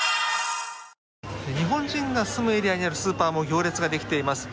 日本人が住むエリアにあるスーパーも行列ができています。